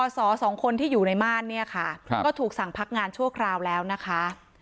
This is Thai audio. สอสองคนที่อยู่ในม่านเนี่ยค่ะก็ถูกสั่งพักงานชั่วคราวแล้วนะคะ